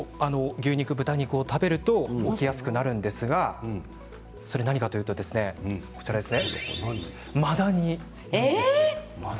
牛肉、豚肉を食べると起きやすくなるんですが何かというとマダニです。